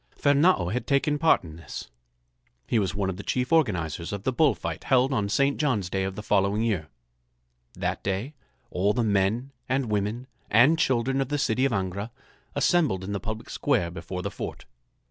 Fernâo had taken part in this. He was one of the chief organizers of the bull fight held on St. John's Day of the following year. That day all the men and women and children of the city of Angra assembled in the public square before the fort.